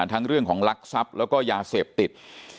ทั้งเรื่องของลักทรัพย์แล้วก็ยาเสพติด